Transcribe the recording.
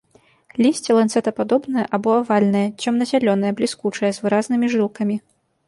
Лісце ланцэтападобнае або авальнае, цёмна-зялёнае, бліскучае, з выразнымі жылкамі.